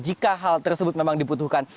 jika hal tersebut memang dibutuhkan